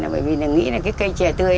bởi vì nghĩ cây chè tươi